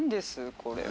これは。